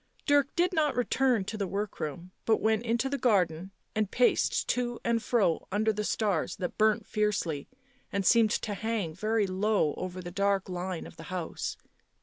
Dirk did not return to the work room, but went into the garden and paced to and fro under the stars that burnt fiercely and seemed to hang very low over the dark line of the house.